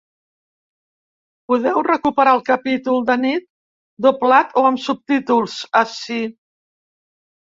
Podeu recuperar el capítol d’anit —doblat o amb subtítols— ací.